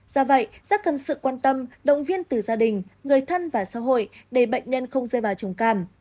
do vậy rất cần sự quan tâm động viên từ gia đình người thân và xã hội để bệnh nhân không rơi vào chồng cam